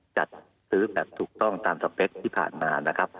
จัดซื้อแบบถูกต้องตามสเปคที่ผ่านมานะครับ